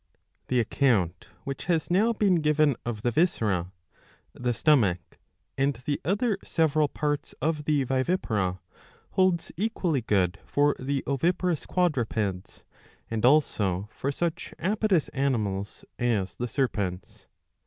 (Ch. \.) The account which has now been given of the viscera,* the stomach, and. the other several parts of the vivipara, holds equally good for the oviparous quadrupeds, and also for such apodous animals as the Serpents.